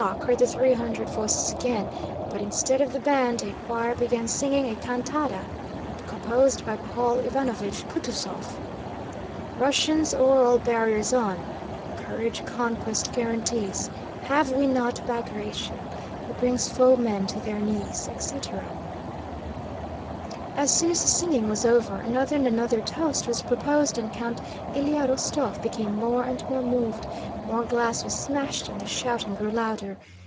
cried the three hundred voices again, but instead of the band a choir began singing a cantata composed by Paul Ivánovich Kutúzov: Russians! O'er all barriers on! Courage conquest guarantees; Have we not Bagratión? He brings foemen to their knees,... etc. As soon as the singing was over, another and another toast was proposed and Count Ilyá Rostóv became more and more moved, more glass was smashed, and the shouting grew louder.